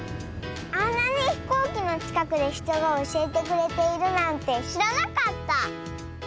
あんなにひこうきのちかくでひとがおしえてくれているなんてしらなかった。